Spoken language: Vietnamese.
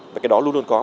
và cái đó luôn luôn có